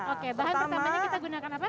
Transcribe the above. oke bahan pertamanya kita gunakan apa